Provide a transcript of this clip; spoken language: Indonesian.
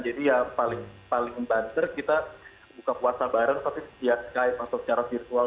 jadi ya paling paling bantar kita buka puasa bareng tapi setiap saat atau secara virtual